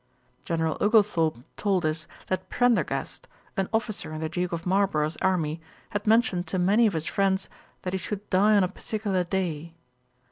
General Oglethorpe told us, that Prendergast, an officer in the Duke of Marlborough's army, had mentioned to many of his friends, that he should die on a particular day.